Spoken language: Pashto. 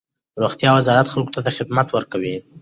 روغتیا وزارت خلک ته خدمتونه ورکوي.